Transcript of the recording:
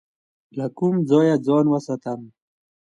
له کوم ځای ځان وساتم؟